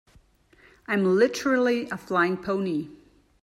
I'm literally a flying pony.